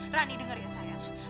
rani denger ya sayang